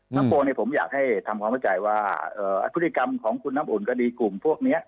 น้ำโฟนเนี่ยผมอยากให้ทำความเข้าใจว่าเอ่ออัตภุริกรรมของคุณน้ำอุ่นกดีกลุ่มพวกเนี้ย